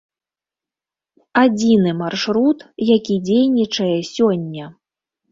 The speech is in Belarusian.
Адзіны маршрут, які дзейнічае сёння.